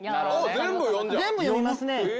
全部読みますね。